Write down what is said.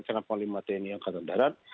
dengan panglima tni angkatan darat